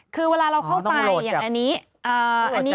คือเวลาเราเข้าไปอย่างอันนี้